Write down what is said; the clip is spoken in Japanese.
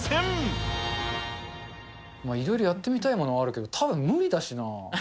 いろいろやってみたいものはあるけど、たぶん、無理だしな。